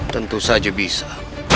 tentu saja bisa